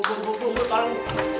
bu bu bu tolong